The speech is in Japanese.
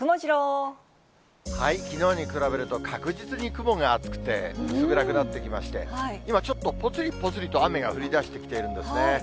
きのうに比べると、確実に雲が厚くて、薄暗くなってきまして、今、ちょっとぽつりぽつりと雨が降りだしてきているんですね。